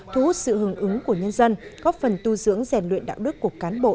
thu hút sự hứng ứng của nhân dân góp phần tu dưỡng rèn luyện đạo đức của cán bộ